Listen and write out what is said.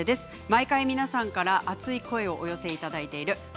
毎回、皆さんから熱い声をお寄せいただいている「＃